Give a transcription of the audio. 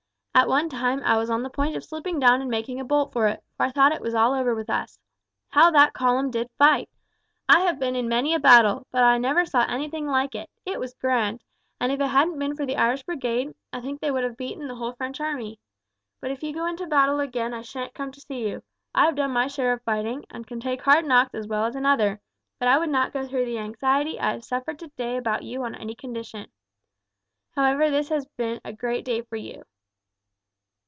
At one time I was on the point of slipping down and making a bolt for it, for I thought it was all over with us. How that column did fight! I have been in many a battle, but I never saw anything like it, it was grand; and if it hadn't been for the Irish Brigade, I think that they would have beaten the whole French army. But if you go into a battle again I sha'n't come to see you. I have done my share of fighting, and can take hard knocks as well as another; but I would not go through the anxiety I have suffered today about you on any condition. However, this has been a great day for you."